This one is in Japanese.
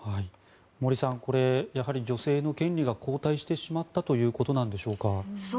森さん、やはり女性の権利が後退してしまったということなんでしょうか。